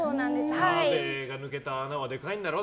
澤部が抜けた穴はでかいんだろ。